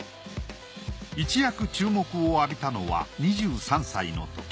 一躍注目を浴びたのは２３歳のとき。